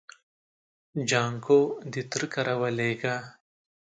جانکو د تره کره ولېږه.